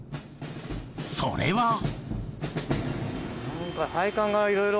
それは。